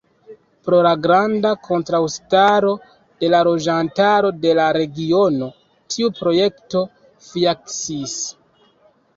Pro la granda kontraŭstaro de la loĝantaro de la regiono, tiu projekto fiaskis.